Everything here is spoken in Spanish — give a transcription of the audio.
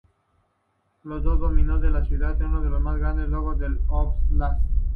En los dominios de la ciudad, uno de los más grandes lagos del Óblast.